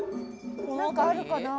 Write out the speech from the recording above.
何かあるかな？